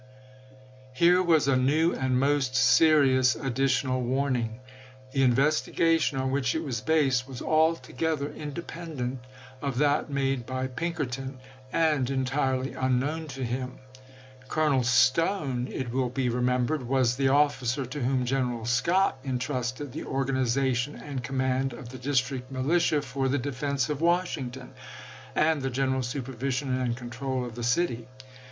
Here was a new and most serions additional warning. The investigation on which it was based was altogether independent of that made by Pink erton, and entirely unknown to him. Colonel Stone, it will be remembered, was the officer to whom General Scott intrusted the organization and command of the District Militia for the de fense of Washington and the general supervision and control of the city.